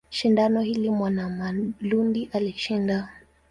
Shindano hili Mwanamalundi alishinda.